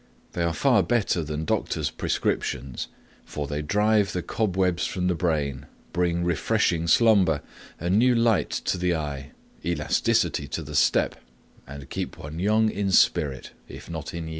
They are far better than doctors' prescriptions, for they drive the cobwebs from the brain, bring refreshing slumber, a new light to the eye, elasticity to the step, and keep one young in spirit, if not in years.